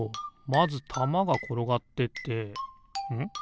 まずたまがころがってってん？